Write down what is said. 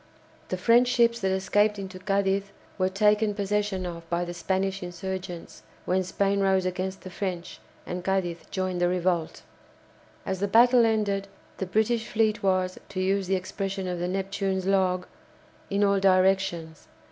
The French ships that escaped into Cadiz were taken possession of by the Spanish insurgents, when Spain rose against the French, and Cadiz joined the revolt. As the battle ended, the British fleet was, to use the expression of the "Neptune's" log, "in all directions."